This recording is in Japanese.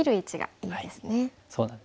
そうなんですね。